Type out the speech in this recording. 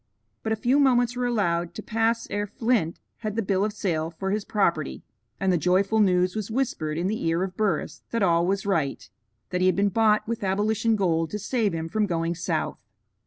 But a few moments were allowed to pass ere Flint had the bill of sale for his property, and the joyful news was whispered in the ear of Burris that all was right; that he had been bought with abolition gold to save him from going south.